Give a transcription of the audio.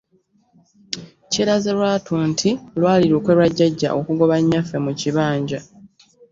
Kyeraze lwatu nti lwali lukwe lwa jjajja okugoba nnyaffe mu kibanja.